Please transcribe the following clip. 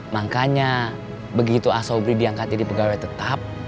makanya begitu asobri diangkat jadi pegawai tetap